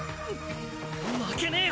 負けねえよ。